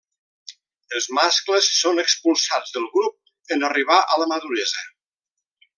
Els mascles són expulsats del grup en arribar a la maduresa.